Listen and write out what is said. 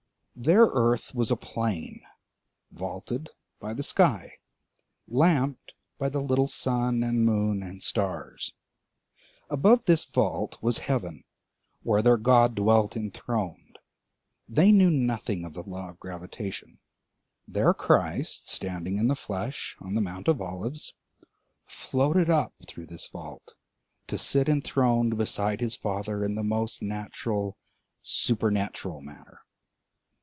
Their earth was a plane, vaulted by the sky, lamped by the little sun and moon and stars; above this vault was Heaven, where their God dwelt enthroned; they knew nothing of the law of gravitation; their Christ, standing in the flesh on the Mount of Olives, floated up through this vault to sit enthroned beside his Father in the most natural supernatural manner.